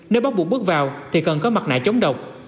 nếu bắt buộc bước vào thì cần có mặt nạ chống độc